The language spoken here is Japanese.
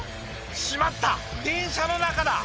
「しまった電車の中だ！」